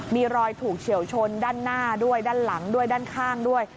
มีรอยถูกเฉียวชนด้านหน้าด้วยด้านหลังด้วยด้านข้างด้วย